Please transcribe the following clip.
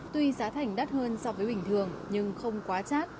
tuy giá thành đắt hơn so với bình thường nhưng không quá chát